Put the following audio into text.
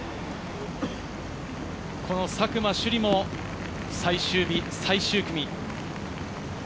佐久間朱莉も最終日・最終組。